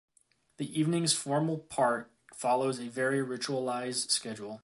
The evening’s formal part follows a very ritualized schedule.